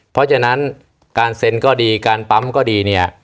เพราะฉะนั้นการเซ็นก็ดีการปั๊มก็ดีเนี่ย